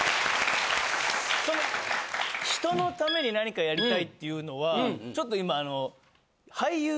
その人のために何かやりたいっていうのはちょっと今。